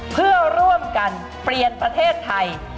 เพื่อร่วมกันเปลี่ยนประเทศไทย